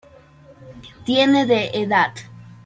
Tiene de edad.